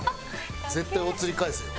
絶対お釣り返せよ？